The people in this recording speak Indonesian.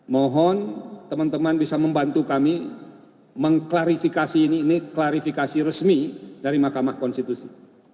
mohon teman teman bisa membantu kami mengklarifikasi ini ini klarifikasi resmi dari mahkamah konstitusi